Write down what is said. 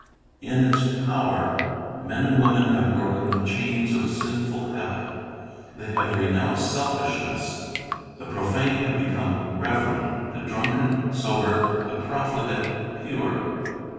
1 In its power, men and women have broken the chains of sinful habit. They have renounced selfish ness. The profane have become reverent, the drunken sober, the profligate pure.